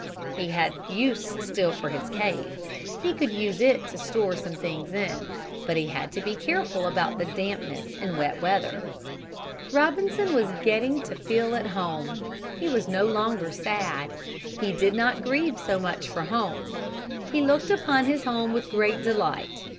He had use still for his cave. He could use it to store some things in. But he had to be careful about the dampness in wet weather. Robinson was getting to feel at home. He was no longer so sad. He did not grieve so much for home. He looked upon his home with great delight.